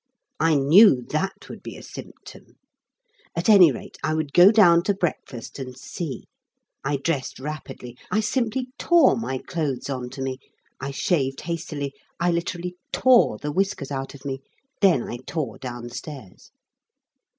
I knew that would be a symptom. At any rate I would go down to breakfast and see. I dressed rapidly; I simply tore my clothes on to me. I shaved hastily; I literally tore the whiskers out of me. Then I tore down stairs.